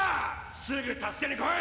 すぐ助けに来い！！